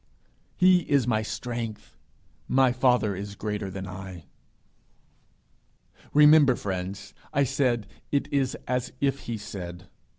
He is my strength. My father is greater than I.' Remember, friends, I said, 'It is as if he said.'